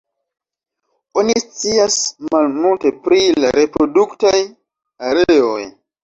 Oni scias malmulte pri la reproduktaj areoj.